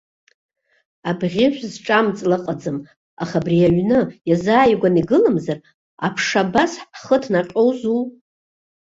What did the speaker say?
Абӷьыжә зҿам ҵла ыҟаӡам, аха абри аҩны иазааигәан игыламзар, аԥша абас ҳхы ҭнаҟьозу.